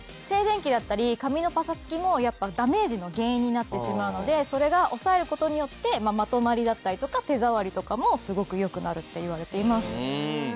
静電気だったり髪のパサつきもやっぱダメージの原因になってしまうのでそれが抑えることによってまとまりだったりとか手触りとかもすごく良くなるっていわれています。